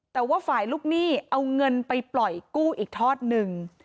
แต่ว่าฝ่ายลูกหนี้เอาเงินไปปล่อยกู้อีกทอดหนึ่ง